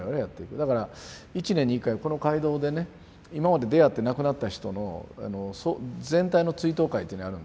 だから一年に一回この会堂でね今まで出会って亡くなった人の全体の追悼会っていうのやるんですよ。